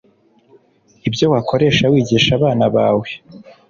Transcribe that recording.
ibyo wakoresha wigisha abana bawe